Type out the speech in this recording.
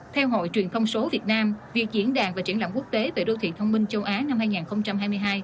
theo hội truyền thông số việt nam việc diễn đàn và triển lãm quốc tế về đô thị thông minh châu á năm hai nghìn hai mươi hai